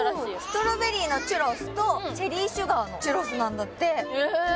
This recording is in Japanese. ストロベリーのチュロスとチェリーシュガーのチュロスなんだってへえ！